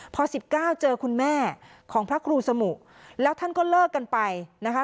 พอ๑๙เจอคุณแม่ของพระครูสมุแล้วท่านก็เลิกกันไปนะคะ